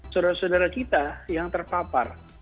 saudara saudara kita yang terpapar